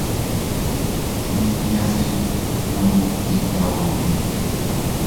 Smiñase nuu ika ubi.